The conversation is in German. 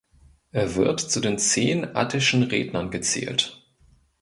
Er wird zu den zehn Attischen Rednern gezählt.